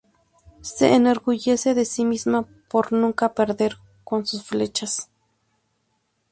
Se enorgullece de sí misma por nunca perder con sus flechas.